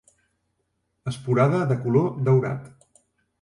Esporada de color daurat.